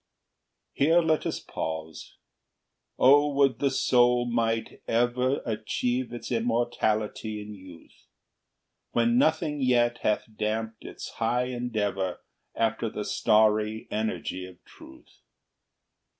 XXXV. Here let us pause: O, would the soul might ever Achieve its immortality in youth, When nothing yet hath damped its high endeavor After the starry energy of truth!